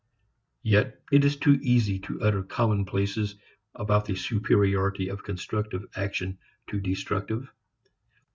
Yet it is too easy to utter commonplaces about the superiority of constructive action to destructive.